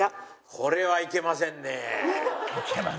これはいけませんねえ。